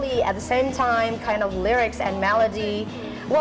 pada saat itu apa yang ingin anda berikan kepada orang